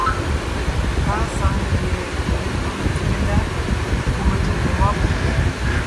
Àa saŋ gẅie lelÿò metsìŋe ndá kú mecùʼte mɔ́b.